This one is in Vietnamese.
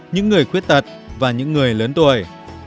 những người khuyết tật và những người lớn tuổi